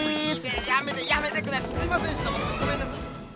やめてやめてくだすいませんでしたごめんなさい！